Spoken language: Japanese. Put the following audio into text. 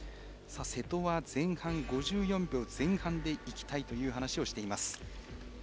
瀬戸は５４秒前半でいきたいという話をしています。